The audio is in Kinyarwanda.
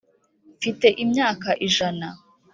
Mfite imyaka ijana.